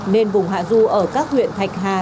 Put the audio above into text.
nên vùng hạ du ở các huyện thạch hà